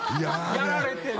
やられてる。